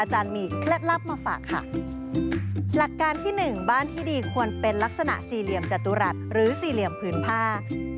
หลักการที่หนึ่งบ้านที่ดีควรเป็นลักษณะสี่เหลี่ยมจตุรัสหรือสี่เหลี่ยมผืนผ้า